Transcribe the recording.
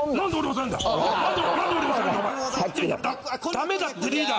ダメだってリーダー